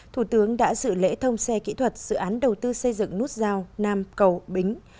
thủ tướng đã dự lễ thông xe kỹ thuật dự án đầu tư xây dựng nút giao nam cầu bính